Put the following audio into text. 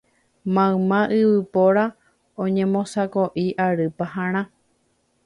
mayma yvypóra oñembosako'i ary paharã